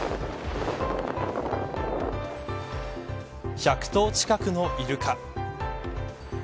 １００頭近くのイルカ。